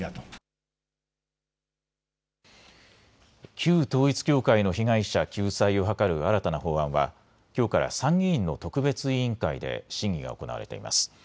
旧統一教会の被害者救済を図る新たな法案はきょうから参議院の特別委員会で審議が行われています。